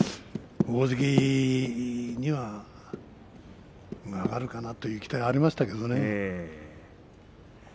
大関には上がるかなという期待がありましたけどね。